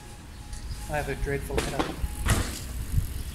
I have a dreadful headache.